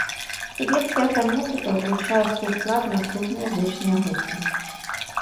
Тыбецкая фанетыка ўключае ў свой склад наступныя зычныя гукі.